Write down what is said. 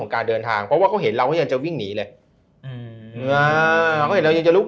ของการเดินทางเพราะว่าเขาเห็นเรายังจะวิ่งหนีเลยจะลุก